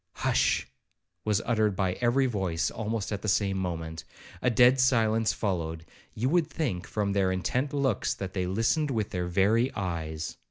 Hush! was uttered by every voice almost at the same moment. A dead silence followed,—you would think, from their intent looks, that they listened with their very eyes.